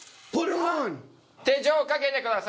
手錠をかけてください。